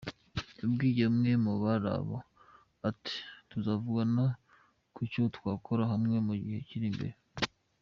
Yabwiye umwe muri bo ati: "Tuzavugana ku cyo twakorera hamwe mu gihe kiri imbere.